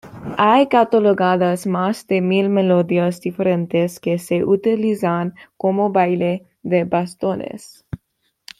Hay catalogadas más de mil melodías diferentes que se utilizan como baile de bastones.